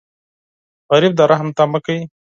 غریب د رحم تمه کوي